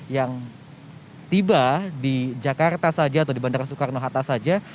yang tiba di jakarta saja atau di bandara soekarno hatta saja